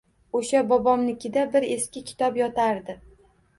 O’sha bobomnikida bir eski kitob yotardi.